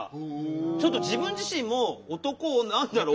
ちょっと自分自身も「男何だろう」